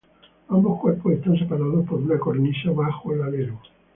Ambos cuerpos están separados por una cornisa, bajo el alero.